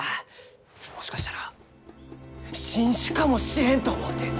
もしかしたら新種かもしれんと思うて！